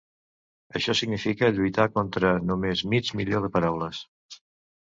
Això significa lluitar contra només mig milió de paraules!